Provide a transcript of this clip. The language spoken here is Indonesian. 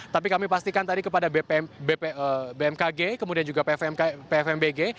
tapi kami pastikan tadi kepada bmkg kemudian juga pfmbg